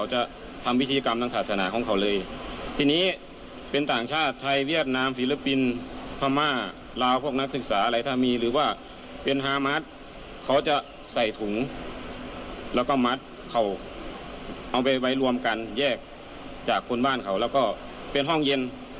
ฮามาสลาวพวกนักศึกษาอะไรถ้ามีหรือว่าเป็นฮามาสเขาจะใส่ถุงแล้วก็มัดเขาเอาไว้รวมกันแยกจากคนบ้านเขาแล้วก็เป็นห้องเย็น